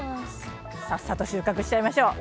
さっさと収穫しちゃいましょう。